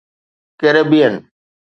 Caribbean